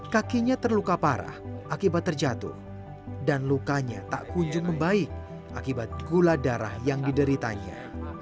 kakinya terluka parah akibat terjatuh dan lukanya tak kunjung membaik akibat gula darah yang dideritanya